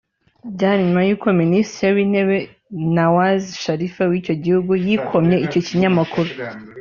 Byari nyuma y’uko Minisitiri w’Intebe Nawaz Sharif w’icyo gihugu yikomye icyo kinyamakuru